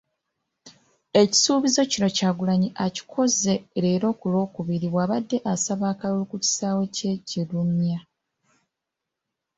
Ekisuubizo kino Kyagulanyi akikoze leero ku Lwookubiri bw'abadde asaba akalulu ku kisaawe ky'e Kirumya.